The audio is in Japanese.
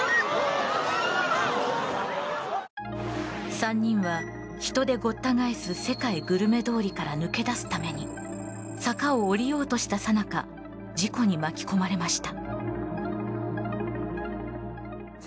３人は、人でごった返す世界グルメ通りから抜け出すために坂を下りようとしたさなか事故に巻き込まれました。